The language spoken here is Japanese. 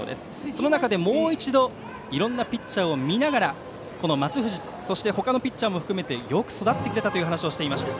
その中で、もう一度いろんなピッチャーを見ながら松藤、他のピッチャーも含めてよく育ってくれたという話をしていました。